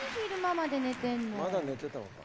まだ寝てたのか？